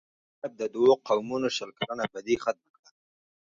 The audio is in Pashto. ملک صاحب د دوو قومونو شل کلنه بدي ختمه کړه.